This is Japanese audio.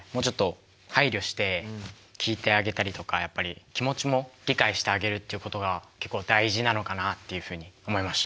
もうちょっと配慮して聞いてあげたりとかやっぱり気持ちも理解してあげるっていうことが結構大事なのかなっていうふうに思いました。